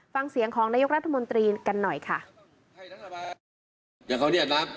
ฟังเสียงของนายกรัฐมนตรีกันหน่อยค่ะ